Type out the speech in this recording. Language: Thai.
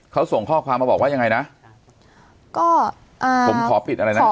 เขาส่งข้อความมาบอกว่ายังไงนะก็อ่าผมขอปิดอะไรนะ